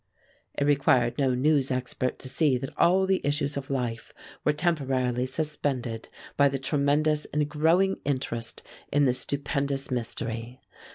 It required no news expert to see that all the issues of life were temporarily suspended by the tremendous and growing interest in this stupendous mystery.